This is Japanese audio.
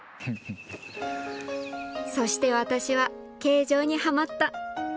そして私は軽乗にハマった！